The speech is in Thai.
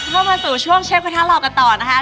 กลับมาสู่ช่วงเชฟกระทะลองกันต่อนะคะ